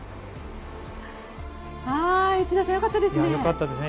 内田さんよかったですね。